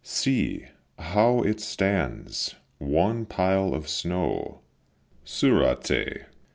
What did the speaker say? See, how it stands, one pile of snow, Soracte!